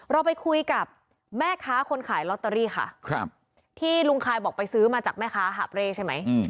เราไปคุยกับแม่ค้าคนขายลอตเตอรี่ค่ะที่ลุงคายบอกไปซื้อมาจากแม่ค้าหาบเร่ใช่ไหม